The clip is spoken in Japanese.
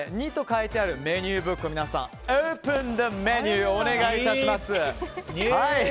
２と書いてあるメニューブックを皆さん、オーブンザメニュー！